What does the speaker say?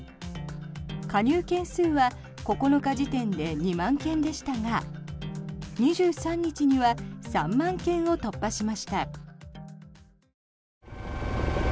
加入件数は９日時点で２万件でしたが２３日には３万件を突破しました。